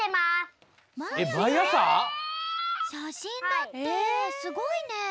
すごいね。